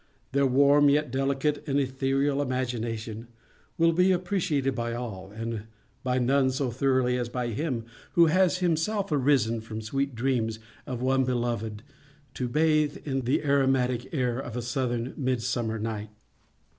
Their warm, yet delicate and ethereal imagination will be appreciated by all, but by none so thoroughly as by him who has himself arisen from sweet dreams of one beloved to bathe in the aromatic air of a southern midsummer night.